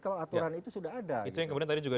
kalau aturan itu sudah ada itu yang kemudian tadi juga